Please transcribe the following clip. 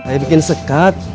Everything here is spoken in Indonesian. lagi bikin sekat